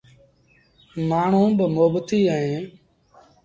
مآڻهوٚݩ با مهبتيٚ اهيݩ۔